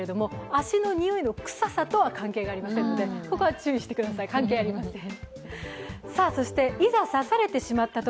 足のにおいのくささとは関係ありませんのでここは注意してください、関係ありません。